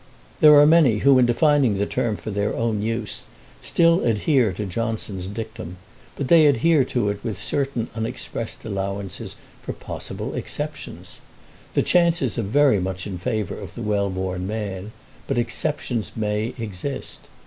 There are many, who in defining the term for their own use, still adhere to Johnson's dictum; but they adhere to it with certain unexpressed allowances for possible exceptions. The chances are very much in favour of the well born man, but exceptions may exist.